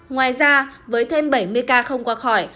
ngoài ra với thêm bảy mươi ca không qua khỏi